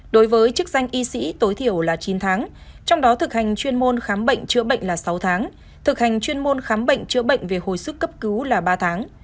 đối với chức danh y sĩ tối thiểu là chín tháng trong đó thực hành chuyên môn khám bệnh chữa bệnh là sáu tháng thực hành chuyên môn khám bệnh chữa bệnh về hồi sức cấp cứu là ba tháng